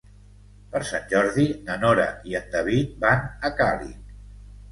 Per Sant Jordi na Nora i en David van a Càlig.